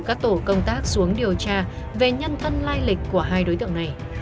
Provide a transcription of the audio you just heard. các tổ công tác xuống điều tra về nhân thân lai lịch của hai đối tượng này